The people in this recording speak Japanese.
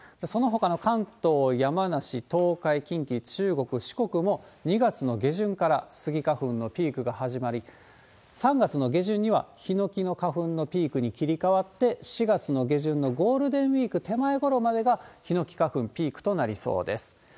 そのほかの関東、山梨、東海、近畿、中国、四国も、２月の下旬からスギ花粉のピークが始まり、３月の下旬にはヒノキの花粉のピークに切り替わって、４月の下旬のゴールデンウィーク手前ごろまでが、ヒノキ花粉ピークとなりそうです。